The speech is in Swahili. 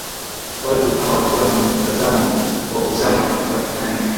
watu hawakuwa na mtazamo wa kuzama kwa titanic